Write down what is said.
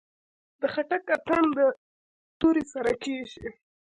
د خټک اتن د تورې سره کیږي.